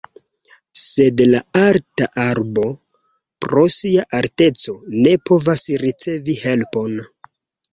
Sed la alta arbo, pro sia alteco, ne povas ricevi helpon.